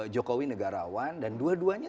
jokowi negarawan dan dua duanya